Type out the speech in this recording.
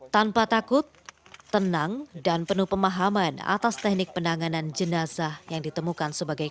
tanpa takut tenang dan penuh pemahaman atas teknik penanganan jenazah yang ditemukan sebagai